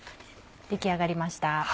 出来上がりました。